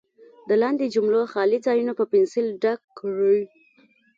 د لاندې جملو خالي ځایونه په پنسل ډک کړئ.